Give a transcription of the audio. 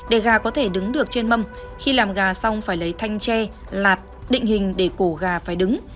để gà có thể đứng được trên mâm khi làm gà xong phải lấy thanh tre lạt định hình để cổ gà phải đứng